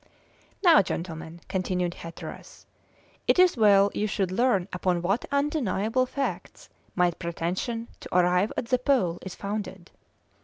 "Now, gentlemen," continued Hatteras, "it is well you should learn upon what undeniable facts my pretension to arrive at the Pole is founded.